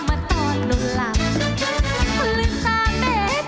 และลุกขึ้นยืนหวังจะยืนหวัง